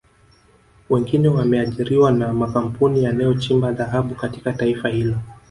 Wengine wameajiriwa na makampuni yanayochimba dhahabu katika taifa hilo